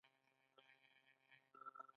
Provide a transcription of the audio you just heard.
ښایست په سادګۍ کې نغښتی دی